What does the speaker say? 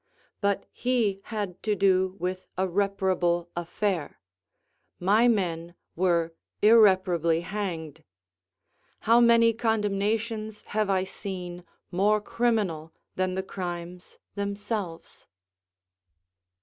But he had to do with a reparable affair; my men were irreparably hanged. How many condemnations have I seen more criminal than the crimes themselves?